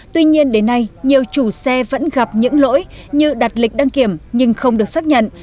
tuy nhiên đến nay nhiều chủ xe vẫn gặp những lỗi như đặt lịch đăng kiểm nhưng không được xác nhận